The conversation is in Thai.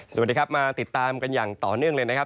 สวัสดีครับมาติดตามกันอย่างต่อเนื่องเลยนะครับ